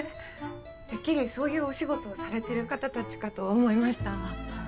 てっきりそういうお仕事をされてる方たちかと思いました。